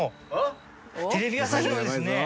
テレビ朝日のですね